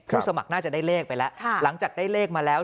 สมัครน่าจะได้เลขไปแล้วหลังจากได้เลขมาแล้ว